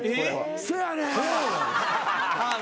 せやねん。